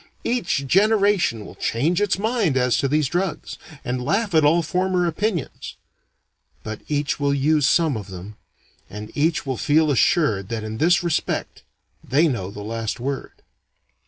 Each generation will change its mind as to these drugs, and laugh at all former opinions; but each will use some of them, and each will feel assured that in this respect they know the last word.